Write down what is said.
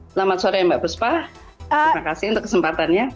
selamat sore mbak buspa terima kasih untuk kesempatannya